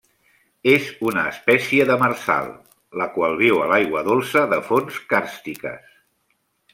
És una espècie demersal, la qual viu a l'aigua dolça de fonts càrstiques.